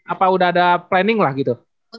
apa udah ada planning lah gitu